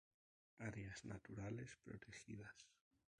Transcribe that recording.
Áreas naturales protegidas.